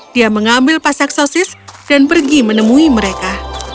dia mengambil pasak sosis dan pergi menemui mereka